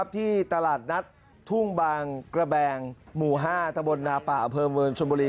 ที่ตลาดนัดทุ่งบางกระแบงหมู่๕ตะบลนาป่าอำเภอเมืองชนบุรี